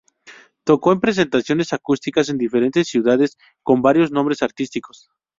Tocó en presentaciones acústicas en diferentes ciudades, con varios nombres artísticos.